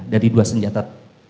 dari dua senjata